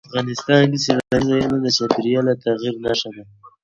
افغانستان کې سیلاني ځایونه د چاپېریال د تغیر نښه ده.